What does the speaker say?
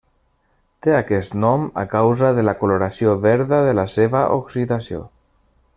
Té aquest nom a causa de la coloració verda de la seva oxidació.